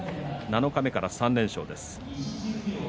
七日目から３連勝です。